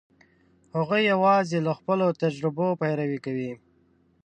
هغوی یواځې له خپلو تجربو پیروي کوي.